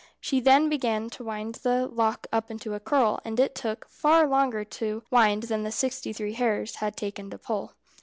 She then began to wind the lock up into a curl, and it took far longer to wind than the sixty three hairs had taken to pull.